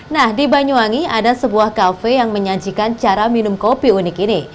nah di banyuwangi ada sebuah kafe yang menyajikan cara minum kopi unik ini